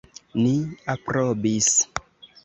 Ni aprobis.